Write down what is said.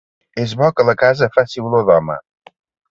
És bo que la casa faci olor d'home.